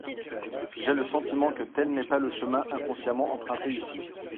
J’ai le sentiment que tel n’est pas le chemin inconsciemment emprunté ici.